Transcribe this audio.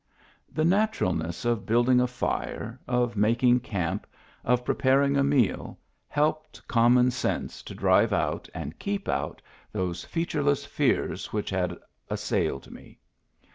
The natural ness of building a fire, of making camp, of pre paring a meal, helped common sense to drive out and keep out those featureless fears which had assailed me.